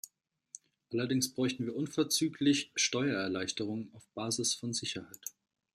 Allerdings bräuchten wir unverzüglich Steuererleichterungen auf der Basis von Sicherheit.